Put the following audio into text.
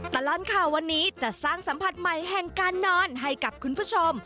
ตลอดข่าววันนี้จะสร้างสัมผัสใหม่แห่งการนอนให้กับคุณผู้ชม